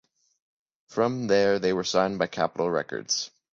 From there, they were signed by Capitol Records.